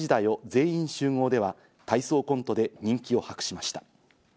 全員集合』では、体操コントで人気を博しました。